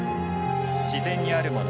自然にあるもの